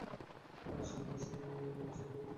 সে ম্যাচে রিপন বিশ্বাস ক্লাবের সর্বপ্রথম গোলটি করেন।